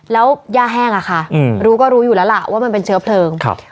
แล้วย่าแห้งอะค่ะรู้ก็รู้อยู่แล้วล่ะว่ามันเป็นเชื้อเพลิงครับ